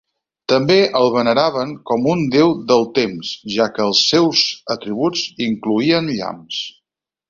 També el veneraven com un déu del temps, ja que els seus atributs incloïen llamps.